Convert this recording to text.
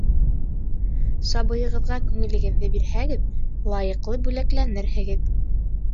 Сабыйығыҙға күңелегеҙҙе бирһәгеҙ, лайыҡлы бүләкләнерһегеҙ.